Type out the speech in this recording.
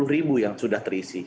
dua puluh ribu yang sudah terisi